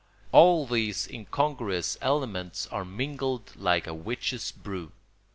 All these incongruous elements are mingled like a witches' brew.